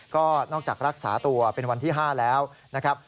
ก็นอกจากรักษาตัวเป็นวันที่๕แล้วนะครับ